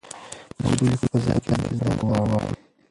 موږ د سولې په فضا کې زده کړه غواړو.